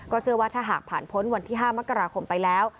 เชื่อว่าถ้าหากผ่านพ้นวันที่๕มกราคมไปแล้ว